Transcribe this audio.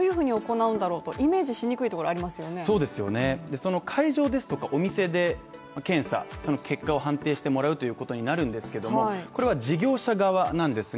その会場ですとか、お店で検査、その結果を判定してもらうということになるんですけども、これは事業者側なんですが